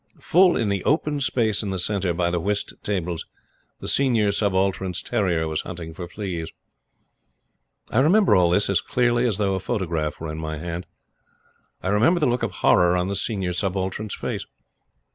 Full in the open space in the centre, by the whist tables, the Senior Subaltern's terrier was hunting for fleas. I remember all this as clearly as though a photograph were in my hand. I remember the look of horror on the Senior Subaltern's face.